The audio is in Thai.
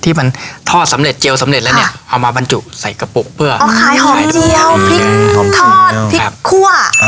มีลูกค้าสั่งซื้อตลอดนะครับคำยำยำอะไรอย่างเงี้ย